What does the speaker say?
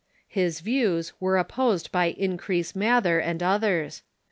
His views were opposed by Increase Mather and others.